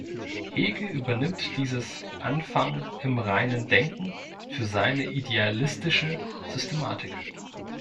Hegel übernimmt dieses „Anfangen im reinen Denken“ für seine idealistische Systematik.